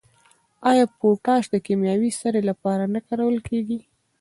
آیا پوټاش د کیمیاوي سرې لپاره نه کارول کیږي؟